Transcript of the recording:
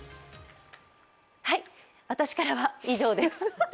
私からは以上です。